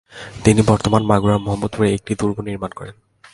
তিনি বর্তমান মাগুরার মহম্মদপুরে একটি দুর্গ নির্মাণ করেন।